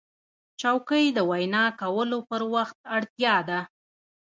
چوکۍ د وینا کولو پر وخت اړتیا ده.